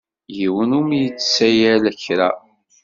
Yiwen ur m-yettsayal kra.